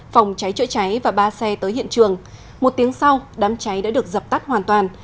phòng cháy chữa cháy và ba xe tới hiện trường một tiếng sau đám cháy đã được dập tắt hoàn toàn